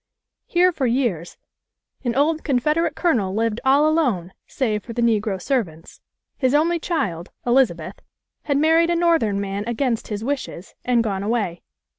Here for years an old Confed erate colonel lived all alone save for the negro ser vants. His only child, Elizabeth, had married a North ern man against his wishes, and gone away.